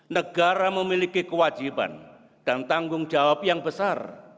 negara memiliki kewajiban dan tanggung jawab yang besar